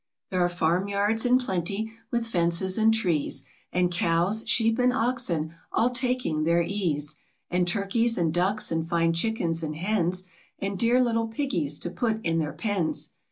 There are farm yards in plenty, with fences and trees And cows, sheep, and oxen, all taking their ease, And turkeys, and ducks, and fine chickens and hens, And dear little piggies to put in their pens.